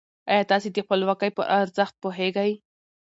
ايا تاسې د خپلواکۍ په ارزښت پوهېږئ؟